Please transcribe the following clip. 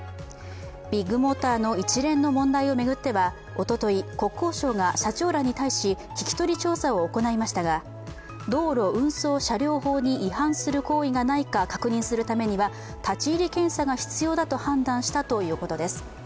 ビッグモーターの一連の問題を巡ってはおととい、国交省が社長らに対し聞き取り調査を行いましたが道路運送車両法に違反する行為がないか確認するためには立ち入り検査が必要だと判断したということです。